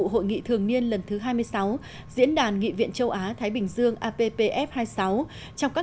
của người thường niên lần thứ hai mươi sáu diễn đàn nghị viện châu á thái bình dương trong các